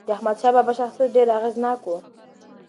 د احمدشاه بابا شخصیت ډېر اغېزناک و.